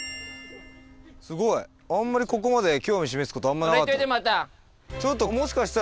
すごいあんまりここまで興味示すことあんまなかった。